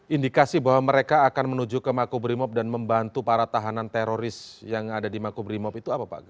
indikasi bahwa mereka akan menuju ke makobrimob dan membantu para tahanan teroris yang ada di makobrimob itu apa pak